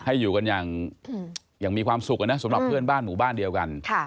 ให้อยู่กันอย่างมีความสุขนะสำหรับเพื่อนบ้านหมู่บ้านเดียวกัน